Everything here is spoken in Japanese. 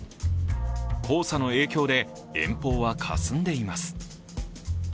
黄砂の影響で遠方はかすんでいます。